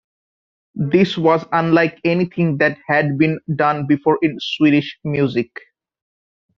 This was unlike anything that had been done before in Swedish music.